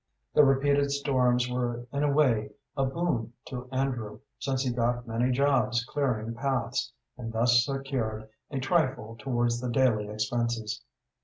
The repeated storms were in a way a boon to Andrew, since he got many jobs clearing paths, and thus secured a trifle towards the daily expenses.